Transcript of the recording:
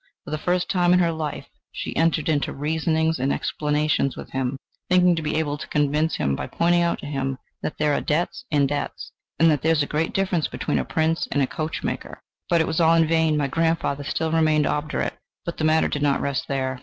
For the first time in her life, she entered into reasonings and explanations with him, thinking to be able to convince him by pointing out to him that there are debts and debts, and that there is a great difference between a Prince and a coachmaker. But it was all in vain, my grandfather still remained obdurate. But the matter did not rest there.